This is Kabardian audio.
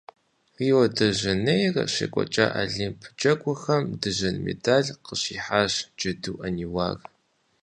Рио-де-Жанейрэ щекӀуэкӀа Олимп Джэгухэм дыжьын медаль къыщихьащ Джэду Ӏэниуар.